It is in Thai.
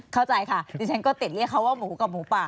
เข้าใจค่ะดิฉันก็ติดเรียกเขาว่าหมูกับหมูป่า